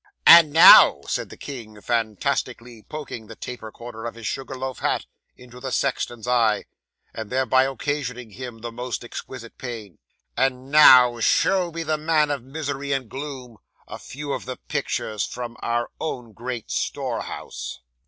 '"And now," said the king, fantastically poking the taper corner of his sugar loaf hat into the sexton's eye, and thereby occasioning him the most exquisite pain; "and now, show the man of misery and gloom, a few of the pictures from our own great storehouse!"